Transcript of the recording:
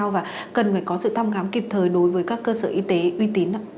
và cần phải có sự thăm khám kịp thời đối với các cơ sở y tế uy tín ạ